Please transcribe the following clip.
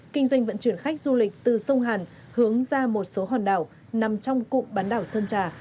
kinh doanh vận chuyển khách du lịch từ sông hàn hướng ra một số hòn đảo nằm trong cụm bán đảo sơn trà